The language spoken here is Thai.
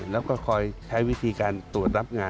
แล้วก็คอยใช้วิธีการตรวจรับงาน